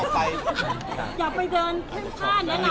ไม่เอาสิ